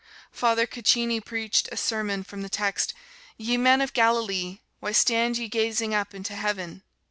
Father Caccini preached a sermon from the text, "Ye men of Galilee, why stand ye gazing up into heaven?"